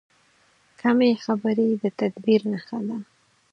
کمې خبرې، د تدبیر نښه ده.